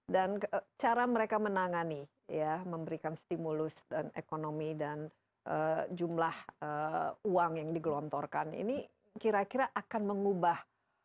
dan cara mereka menangani ya memberikan stimulus dan ekonomi dan jumlah uang yang digelontorkan ini kira kira akan mengubah